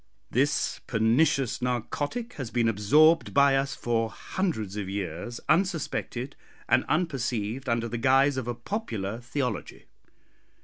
This pernicious narcotic has been absorbed by us for hundreds of years unsuspected and unperceived under the guise of a popular theology.